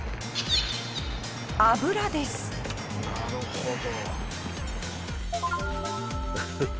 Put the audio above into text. なるほど。